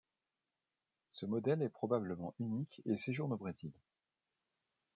Ce modèle est probablement unique et séjourne au Brésil.